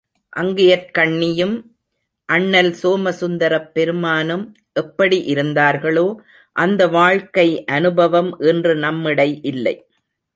அங்கயற்கண்ணியும் அண்ணல் சோமசுந்தரப் பெருமானும் எப்படி இருந்தார்களோ அந்த வாழ்க்கை அனுபவம் இன்று நம்மிடை இல்லை.